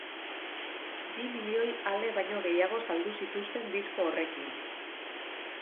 Bi milioi ale baino gehiago saldu zituzten disko horrekin.